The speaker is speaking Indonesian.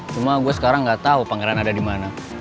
cuma gue sekarang gak tau pengairan ada dimana